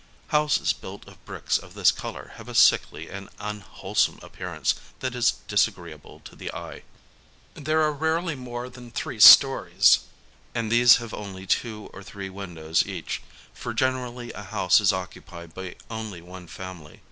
Houses built of bricks of this colour have a sickly and unwhole some appearance that is disagreeable to the eye. There are larely more than three stories, and these have only two or three windows each, for generally a house is occupied by only one family.